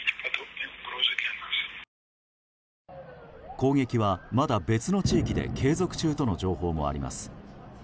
攻撃はまだ別の地域で継続中との情報もあります。